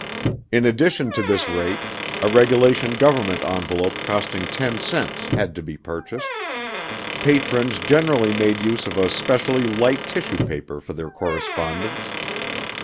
In addition to this rate, a regulation government envelope costing ten cents, had to be purchased. Patrons generally made use of a specially light tissue paper for their correspondence.